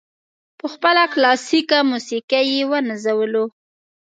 په خپله کلاسیکه موسیقي یې ونازولو.